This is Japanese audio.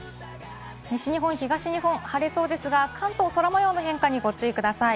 西日本、東日本は晴れそうですが、関東は空模様の変化にご注意ください。